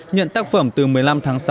nhận tác phẩm từ một mươi năm tháng sáu